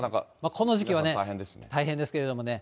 この時期はね、大変ですけれどもね。